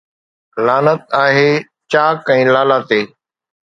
لعنت آهي چاڪ ۽ لالا تي